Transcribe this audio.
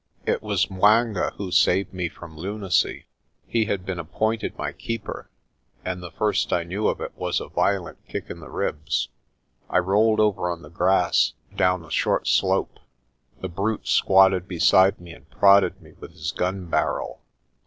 It was 'Mwanga who saved me from lunacy. He had been appointed my keeper, and the first I knew of it was a violent kick in the ribs. I rolled over on the grass down a short slope. The brute squatted beside me and prodded me with his gun barrel.